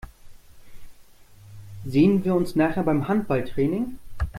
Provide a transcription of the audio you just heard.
Sehen wir uns nachher beim Handballtraining?